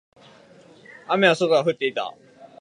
外は雨が降っていた。